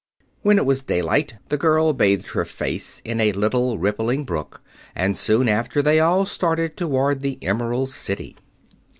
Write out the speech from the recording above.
When it was daylight, the girl bathed her face in a little rippling brook, and soon after they all started toward the Emerald City.